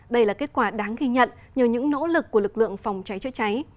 đây là kết quả đáng ghi nhận nhờ những nỗ lực của lực lượng phòng cháy chữa cháy